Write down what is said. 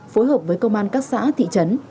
phối hợp với công an các xã thị trấn